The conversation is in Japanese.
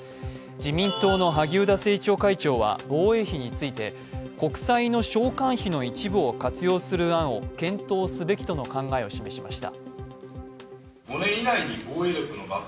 自民党の萩生田政調会長は防衛費について国債の償還費の一部を活用する案を検討すべきとの考えを示しました。